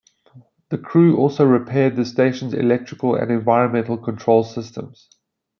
The crew also repaired the Station's electrical and environmental control systems.